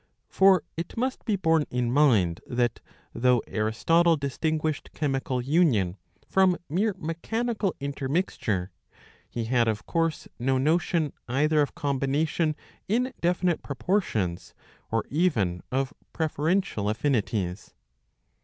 For it must be borne in mind that though Aristotle distinguished chemical union from mere mechanical inter mixture,'^ he had of course no notion either of combination in definite proportions, or even of preferential affinities.